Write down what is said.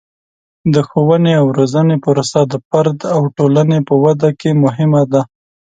د ښوونې او روزنې پروسه د فرد او ټولنې په ودې کې مهمه ده.